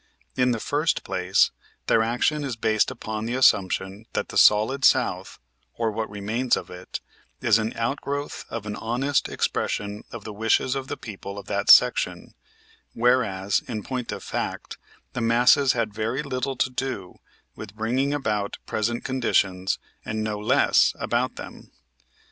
In the first place their action is based upon the assumption that the Solid South, or what remains of it, is an outgrowth of an honest expression of the wishes of the people of that section, whereas, in point of fact, the masses had very little to do with bringing about present conditions and know less about them.